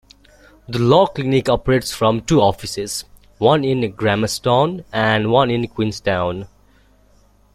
The Law Clinic operates from two offices, one in Grahamstown and one in Queenstown.